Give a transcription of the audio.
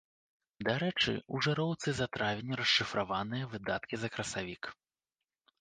Дарэчы, ў жыроўцы за травень расшыфраваныя выдаткі за красавік.